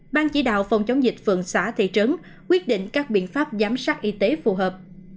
ban chỉ đạo phòng chống dịch phường xã thị trấn quyết định các biện pháp giám sát y tế phù hợp